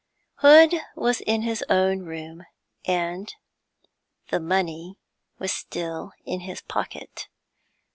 Hood was in his own room, and the money was still in his pocket....